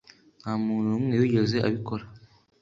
nta muntu n'umwe wigeze abikora